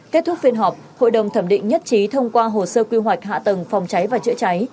kết thúc phiên họp hội đồng thẩm định nhất trí thông qua hồ sơ quy hoạch hạ tầng phòng cháy và chữa cháy